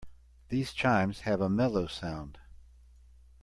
These chimes have a mellow sound.